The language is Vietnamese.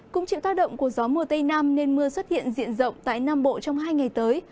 cũng chịu tác động của gió mùa tây nam nên mưa xuất hiện diện rộng tại nam bộ trong hai ngày tới